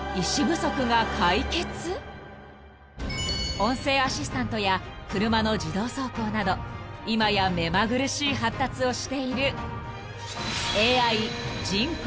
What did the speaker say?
［音声アシスタントや車の自動走行など今や目まぐるしい発達をしている］